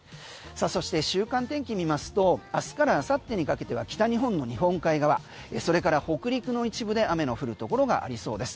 そして、週間天気見ますと明日から明後日にかけては北日本の日本海側それから北陸の一部で雨の降るところがありそうです。